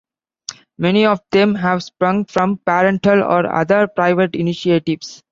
Many of them have sprung from parental or other private initiatives.